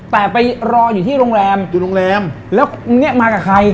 แต่ไปรออยู่ที่โรงแรมอยู่โรงแรมแล้วเนี่ยมากับใคร